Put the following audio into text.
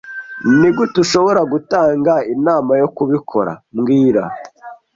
Nigute ushobora gutanga inama yo kubikora mbwira